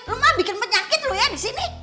lo mah bikin penyakit lo ya disini